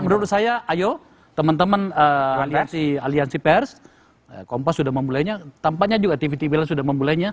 menurut saya ayo teman teman aliansi pers kompos sudah memulainya tampaknya juga tv tv yang sudah memulainya